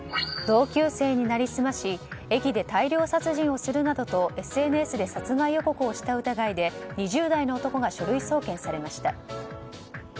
同級生に成り済まし駅で大量殺人をするなどとＳＮＳで殺害予告をした疑いで２０代の男が書類送検されました。